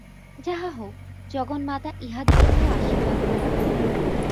যাহা হউক, জগন্মাতা ইঁহাদিগকেও আশীর্বাদ করুন।